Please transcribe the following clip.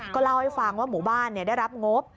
ก็เล่าให้ฟังว่าหมู่บ้านได้รับงบ